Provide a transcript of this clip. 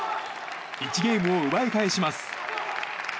１ゲームを奪い返します。